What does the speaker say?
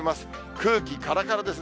空気からからですね。